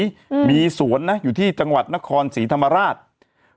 อืมมีสวนนะอยู่ที่จังหวัดนครศรีธรรมราช